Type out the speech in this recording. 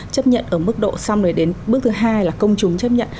chấp nhận ở mức độ xong rồi đến bước thứ hai là công chúng chấp nhận